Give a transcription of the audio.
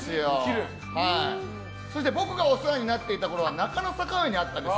そして僕がお世話になっていたころは中野坂上にあったんです。